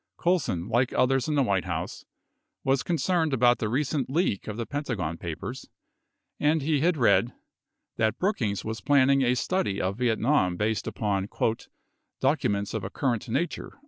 Colson, like others in the White House, was concerned about the recent leak of the Pentagon Papers, and he had read that Brookings was planning a study of Vietnam based upon "documents of a current nature."